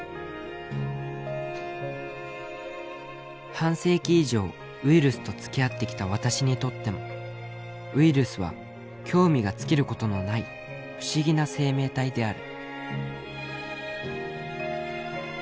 「半世紀以上ウイルスと付き合ってきた私にとってもウイルスは興味がつきることのない不思議な生命体である」。